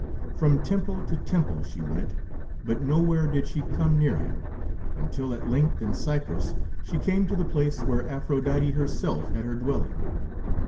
From temple to temple she went, but nowhere did she come near him, until at length in Cyprus she came to the place where Aphrodite herself had her dwelling.